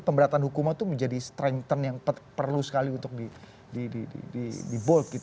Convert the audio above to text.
pemberantasan hukum itu menjadi strength yang perlu sekali untuk dibolt